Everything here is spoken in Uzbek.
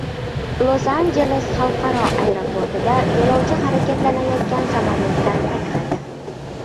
Los-Anjeles xalqaro aeroportida yo‘lovchi harakatlanayotgan samolyotdan sakradi